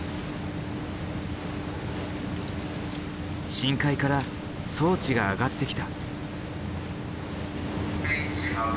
深海から装置が上がってきた。